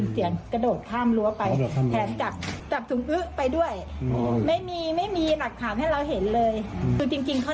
ตกแต่ว่าเออคืออยู่ในบ้านแล้วแล้วเหมือนกับลูกอ่ะ